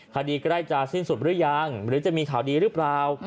คดีใกล้จะสิ้นสุดหรือยังหรือจะมีข่าวดีหรือเปล่า